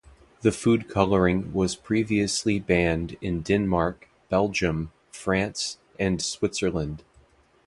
The food coloring was previously banned in Denmark, Belgium, France and Switzerland.